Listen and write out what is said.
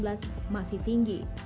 seiring dengan lonjakan kasus harian